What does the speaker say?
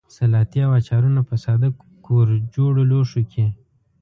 سلاتې او اچارونه په ساده کورجوړو لوښیو کې.